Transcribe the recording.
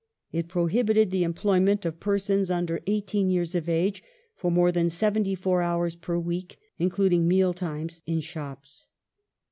It prohibited the employment of persons under eighteen years of age for more than seventy four hours per week, including meal times, in shops.